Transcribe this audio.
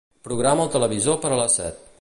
Programa el televisor per a les set.